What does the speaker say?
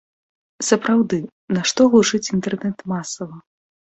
Сапраўды, нашто глушыць інтэрнэт масава?